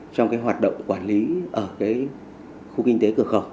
trong cái hoạt động quản lý ở khu kinh tế cửa khẩu